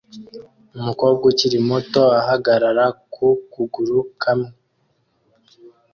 umukobwa ukiri muto ahagarara ku kuguru kamwe